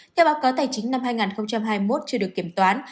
theo báo cáo tài chính năm hai nghìn hai mươi một chưa được kiểm toán